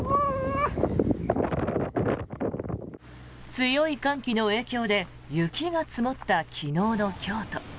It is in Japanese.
強い寒気の影響で雪が積もった昨日の京都。